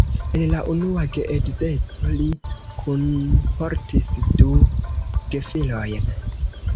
El la unua geedzeco li kunportis du gefilojn.